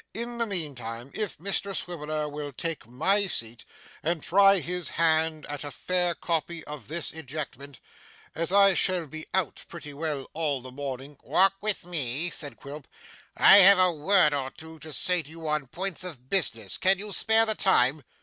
In the meantime, if Mr Swiveller will take my seat, and try his hand at a fair copy of this ejectment, as I shall be out pretty well all the morning ' 'Walk with me,' said Quilp. 'I have a word or two to say to you on points of business. Can you spare the time?